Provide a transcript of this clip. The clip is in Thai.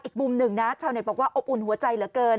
อีกมุมหนึ่งนะชาวเน็ตบอกว่าอบอุ่นหัวใจเหลือเกิน